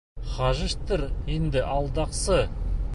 — Хажиштыр инде, алдаҡсы!